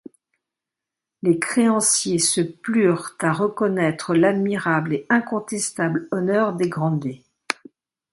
Les créanciers se plurent à reconnaître l’admirable et incontestable honneur des Grandet.